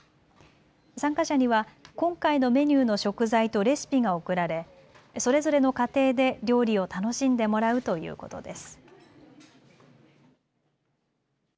参加者には今回のメニューの食材とレシピが送られそれぞれの家庭で料理を楽しんでもらうということです。